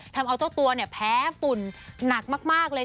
ทำเอาเจ้าตัวเนี่ยแพ้ฝุ่นหนักมากเลย